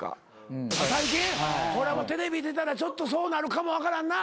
最近？テレビ出たらちょっとそうなるかも分からんな。